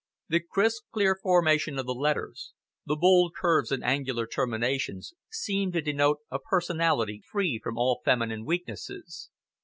The crisp, clear formation of the letters, the bold curves and angular terminations, seemed to denote a personality free from all feminine weaknesses.